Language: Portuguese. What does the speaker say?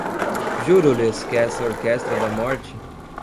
Juro-lhes que essa orquestra da morte